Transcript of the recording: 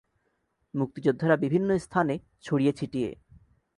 মুক্তিযোদ্ধারা বিভিন্ন স্থানে ছড়িয়ে-ছিটিয়ে।